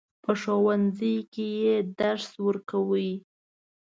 په ښوونځي کې درس ورکاوه.